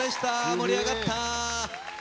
盛り上がった！